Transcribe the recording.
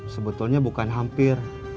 sebetulnya bukan hampir